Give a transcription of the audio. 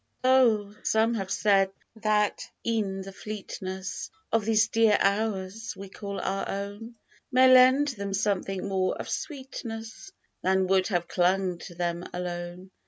Oh ! some have said that e'en the fleetness Of these dear hours we call our own. May lend them something more of sweetness Than would have clung to them alone.